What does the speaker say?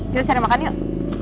kita cari makan yuk